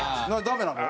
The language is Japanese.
ダメなの？